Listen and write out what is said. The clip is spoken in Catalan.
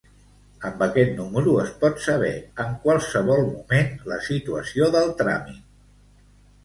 Amb aquest número es pot saber en qualsevol moment la situació del tràmit.